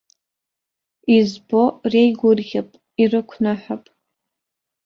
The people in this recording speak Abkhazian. Избо реигәырӷьап, ирықәныҳәап.